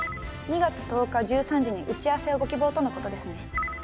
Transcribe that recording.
２月１０日１３時に打ち合わせをご希望とのことですね。